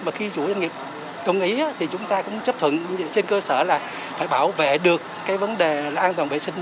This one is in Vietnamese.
mà khi chủ doanh nghiệp công ý thì chúng ta cũng chấp thuận trên cơ sở là phải bảo vệ được cái vấn đề là an toàn vệ sinh